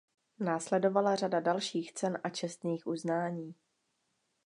Následovala řada dalších cen a čestných uznání.